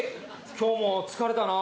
今日も疲れたなあ。